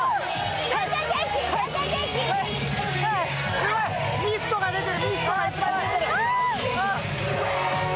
すごい、ミストが出てる。